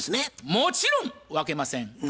もちろん！分けません。